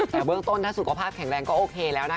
แต่เบื้องต้นถ้าสุขภาพแข็งแรงก็โอเคแล้วนะคะ